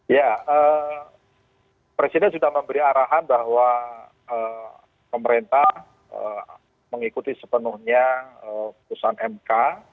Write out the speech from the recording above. ya presiden sudah memberi arahan bahwa pemerintah mengikuti sepenuhnya putusan mk